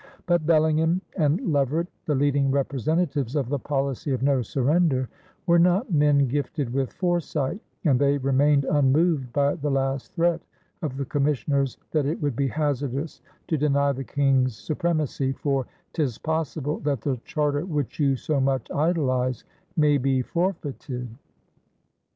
But Bellingham and Leverett, the leading representatives of the policy of no surrender, were not men gifted with foresight, and they remained unmoved by the last threat of the commissioners that it would be hazardous to deny the King's supremacy, for "'tis possible that the charter which you so much idolize may be forfeited."